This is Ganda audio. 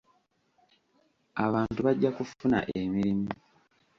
Abantu bajja kufuna emirimu.